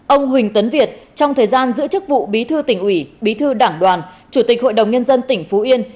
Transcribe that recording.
ông huỳnh tấn việt trong thời gian giữ chức vụ bí thư tỉnh ủy bí thư đảng đoàn chủ tịch hội đồng nhân dân tỉnh phú yên